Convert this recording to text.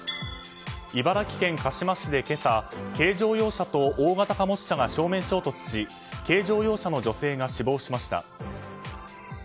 茨城県鹿嶋市で今朝軽乗用車と大型貨物車が正面衝突し軽乗用車の女性が死亡しました。